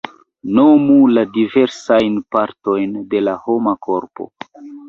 Nomu la diversajn partojn de la homa korpo.